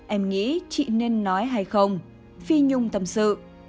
em nghĩ chị nên nói hay không phi nhung tâm sự